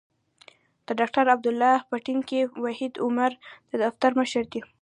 د ډاکټر عبدالله په ټیم کې وحید عمر د دفتر مشر دی.